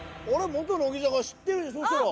元乃木坂知ってるでしょあっ